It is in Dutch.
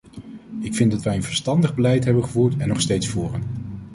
Ik vind dat wij een verstandig beleid hebben gevoerd en nog steeds voeren.